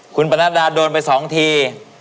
คุณบรรดาโดนไป๒ที